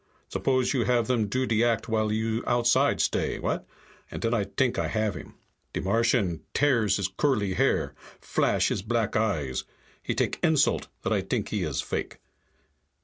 Suppose you have them do de act while you outside stay, what?' Then I t'ink I have him. "Ze Martian tear his curly hair, flash his black eyes. He takes insult that I t'ink he is fake.